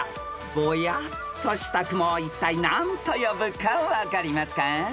［ぼやっとした雲をいったい何と呼ぶか分かりますか？］